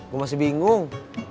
gua masih bingung